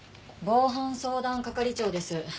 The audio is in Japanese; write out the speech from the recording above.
防犯相談係長です。